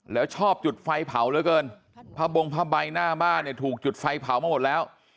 แล้วชอบจุดไฟเผาเหลือเกินผ้าบงผ้าใบหน้าบ้านเนี่ยถูกจุดไฟเผามาหมดแล้ว